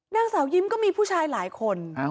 นางสาวยิ้มก็มีผู้ชายหลายคน